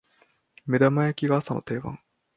目玉焼きが朝の定番